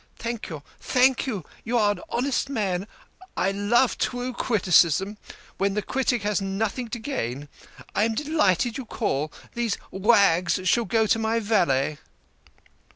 " Thank you ! Thank you ! You are an honest man. I love true criticism, when the critic has nothing to gain. I am delighted you called. These rags shall go to my valet."